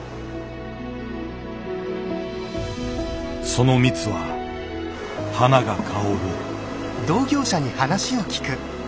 その蜜は花が香る。